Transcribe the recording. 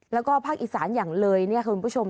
แล้วก็ภาคอีสานอย่างเลยเนี่ยคุณผู้ชม